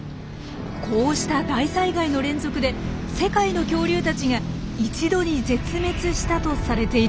こうした大災害の連続で世界の恐竜たちが一度に絶滅したとされているんです。